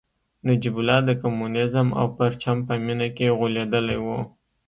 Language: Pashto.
نجیب الله د کمونیزم او پرچم په مینه کې غولېدلی و